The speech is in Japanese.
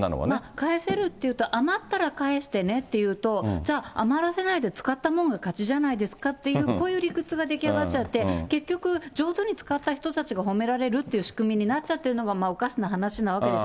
返せるっていうと、余ったら返してねっていうと、じゃあ、余らせないで使ったもんが勝ちじゃないですかっていうこういう理屈が出来上がっちゃって、結局、上手に使った人たちが褒められるっていう仕組みになっちゃっているのがおかしな話なわけです。